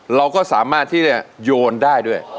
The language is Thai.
เราก็สามารถที่จะโยนได้ด้วย